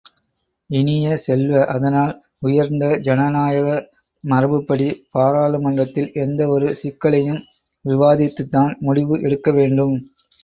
இனிய செல்வ, அதனால் உயர்ந்த ஜனநாயக மரபுப்படி பாராளுமன்றத்தில் எந்த ஒரு சிக்கலையும் விவாதித்துத்தான் முடிவு எடுக்கவேண்டும்.